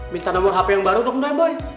minta nomor hp yang baru dong den boy